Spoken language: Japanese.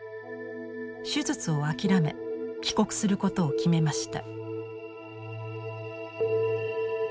手術を諦め帰国することを決めました。